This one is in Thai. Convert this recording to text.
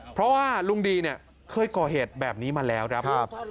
เพราะว่าลุงดีเนี่ยเคยก่อเหตุแบบนี้มาแล้วครับ